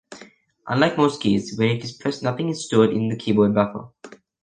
Unlike most keys, when it is pressed nothing is stored in the keyboard buffer.